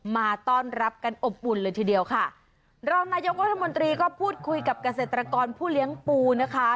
มาต้อนรับกันอบอุ่นเลยทีเดียวค่ะรองนายกรัฐมนตรีก็พูดคุยกับเกษตรกรผู้เลี้ยงปูนะคะ